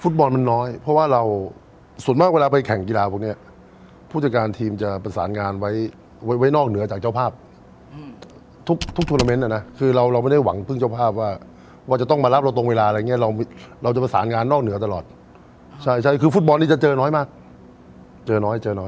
บอลมันน้อยเพราะว่าเราส่วนมากเวลาไปแข่งกีฬาพวกเนี้ยผู้จัดการทีมจะประสานงานไว้ไว้นอกเหนือจากเจ้าภาพทุกทุกทวนาเมนต์อ่ะนะคือเราเราไม่ได้หวังพึ่งเจ้าภาพว่าว่าจะต้องมารับเราตรงเวลาอะไรอย่างเงี้ยเราเราจะประสานงานนอกเหนือตลอดใช่ใช่คือฟุตบอลนี้จะเจอน้อยมากเจอน้อยเจอน้อย